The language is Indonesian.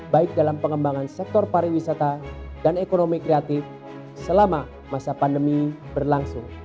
baik dalam pengembangan sektor pariwisata dan ekonomi kreatif selama masa pandemi berlangsung